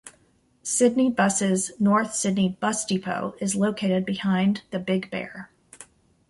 Sydney Buses' North Sydney Bus Depot is located behind the Big Bear.